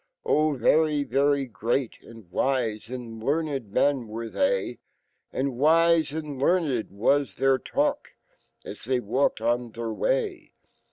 Oh! very^ery great and wise and learned men were fhey, And wise analearned was th r talk, as they walked on fh r way.